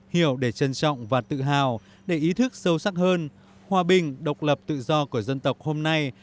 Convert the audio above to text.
hiểu để trân trọng và tự hào để ý thức sâu sắc hơn hòa bình độc lập tự do của dân tộc hôm nay